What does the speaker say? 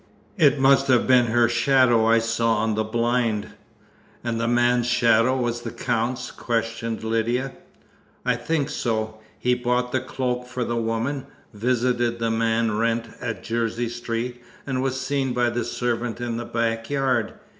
It must have been her shadow I saw on the blind." "And the man's shadow was the Count's?" questioned Lydia. "I think so. He bought the cloak for the woman, visited the man Wrent at Jersey Street, and was seen by the servant in the back yard.